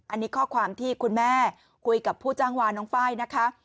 อันนี้ข้อความที่คุณแม่คุยกับผู้จ้างวานน้องไฟล์นะคะ